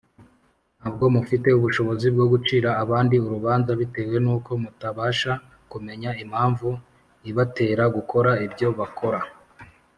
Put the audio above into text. ntabwo mufite ubushobozi bwo gucira abandi urubanza bitewe nuko mutabasha kumenya impamvu ibatera gukora ibyo bakora